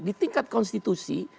di tingkat konstitusi